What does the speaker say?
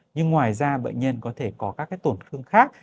nhưng ngoài ra bệnh nhân có thể có các cái tổn thương khác